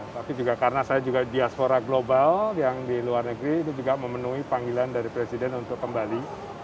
tapi juga karena saya juga diaspora global yang di luar negeri itu juga memenuhi panggilan dari presiden untuk kembali